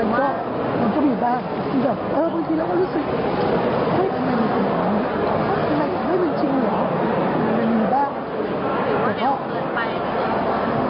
มันก็มีบ้างมันก็มีแบบเออบางทีเราก็รู้สึกไม่มีไม่มีจริงหรอมันมีบ้าง